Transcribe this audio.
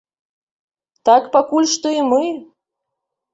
Так пакуль што і мы.